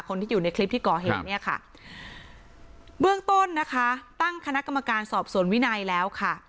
คนที่อยู่ในคลิปที่ก่อเหตุเนี่ยค่ะเบื้องต้นนะคะตั้งคณะกรรมการสอบสวนวินัยแล้วค่ะ